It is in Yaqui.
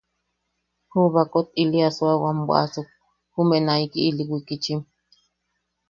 Ju baakot ili asoawam bwaʼasuk, jume naiki ili wikitchim.